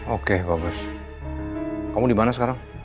oke bagus kamu dimana sekarang